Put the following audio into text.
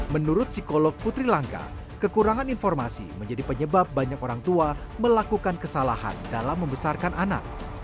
menurut psikolog putri langka kekurangan informasi menjadi penyebab banyak orang tua melakukan kesalahan dalam membesarkan anak